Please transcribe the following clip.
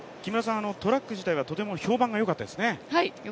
トラック自体はとても評判がよかったですね。